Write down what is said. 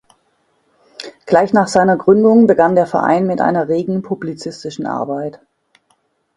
Gleich nach seiner Gründung begann der Verein mit einer regen publizistischen Arbeit.